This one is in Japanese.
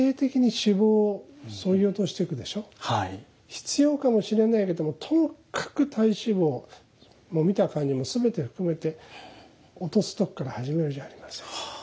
必要かもしれないけどもともかく体脂肪見た感じも全て含めて落とすとこから始めるじゃありませんか。